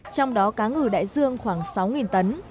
trong đó cá ngừ đại dương khoảng sáu tấn